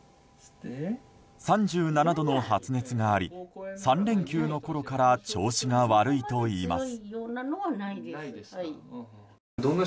３７度の発熱があり３連休のころから調子が悪いといいます。